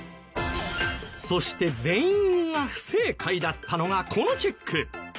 そして全員が不正解だったのがこのチェック。